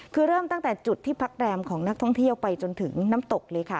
คือเริ่มตั้งแต่จุดที่พักแรมของนักท่องเที่ยวไปจนถึงน้ำตกเลยค่ะ